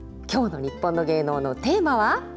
今日の「にっぽんの芸能」のテーマは？